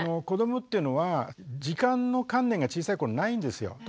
子どもっていうのは時間の観念が小さい頃ないんですよ。